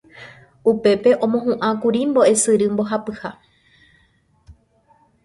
upépe omohu'ãkuri mbo'esyry mbohapyha